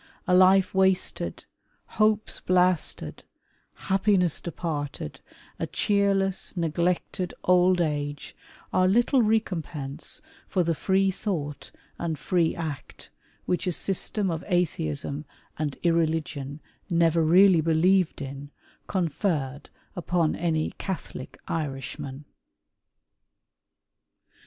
A life wasted, hopes blasted, happiness departed, a cheerless, neglected, old age, are little recompense for the free thought and free act which a system of Atheism and irreligion, never really believed in, con ferred upon any Catholic Irishman.